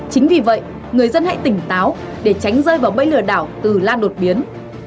chính vì vậy người dân hãy tỉnh táo để tránh rơi vào bẫy lừa đảo từ lan đột biến